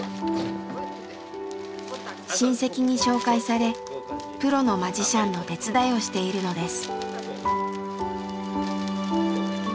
親戚に紹介されプロのマジシャンの手伝いをしているのです。